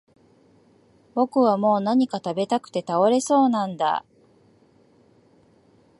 僕はもう何か喰べたくて倒れそうなんだ